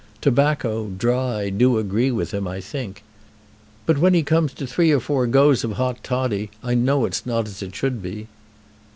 Tobacco, dry, do agree with him, I think. But when he comes to three or four goes of hot toddy, I know it's not as it should be."